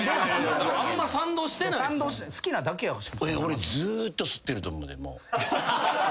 俺ずっと吸ってると思うで。